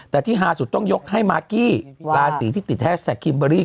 แต่ที่ฮาสุดต้องยกให้มากกี้ราศีที่ติดแฮชแท็กคิมเบอร์รี่